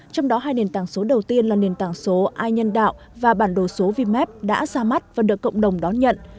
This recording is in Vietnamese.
trong đó hai nền tảng số đầu tiên là nền tảng số ai nhân đạo và bản đồ số vimep đã ra mắt và được cộng đồng đón nhận